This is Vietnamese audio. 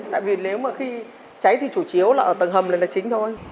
tại vì nếu mà khi cháy thì chủ chiếu là tầng hầm lên là chính thôi